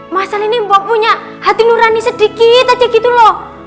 mas al ini mempunyai hati nurani sedikit aja gitu loh